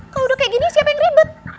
kalau udah kayak gini siapa yang ribet